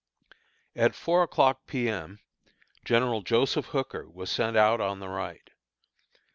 At four o'clock P. M., General Joseph Hooker was sent out on the right.